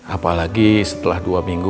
apalagi setelah dua minggu